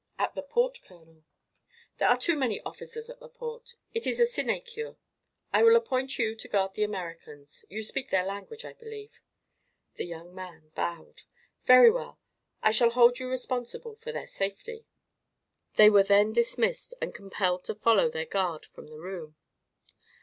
"At the port, Colonel." "There are too many officers at the port; it is a sinecure. I will appoint you to guard the Americans. You speak their language, I believe?" The young man bowed. "Very well; I shall hold you responsible for their safety." They were then dismissed and compelled to follow their guard from the room.